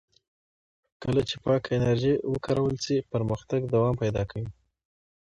کله چې پاکه انرژي وکارول شي، پرمختګ دوام پیدا کوي.